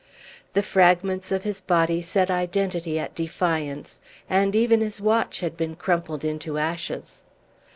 The fragments of his body set identity at defiance, and even his watch had been crumpled into ashes.